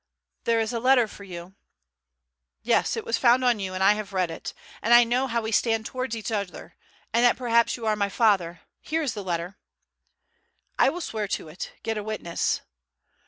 "There is a letter for you." "Yes, it was found on you and I have read it, and I know how we stand towards each other, and that perhaps you are my father; here is the letter." "I will swear to it; get a witness."